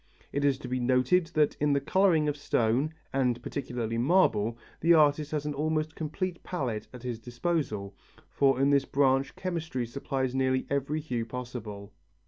It is to be noted that in the colouring of stone, and particularly marble, the artist has an almost complete palette at his disposal, for in this branch chemistry supplies nearly every hue possible.